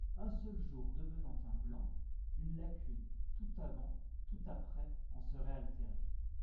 Un seul jour devenant un blanc, une lacune, tout avant, tout après en serait altéré.